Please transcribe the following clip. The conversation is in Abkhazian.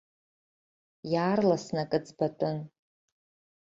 Иаарласны акы ӡбатәын.